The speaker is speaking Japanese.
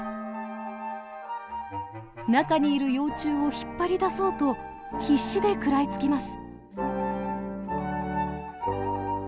中にいる幼虫を引っ張り出そうと必死で食らいつきます。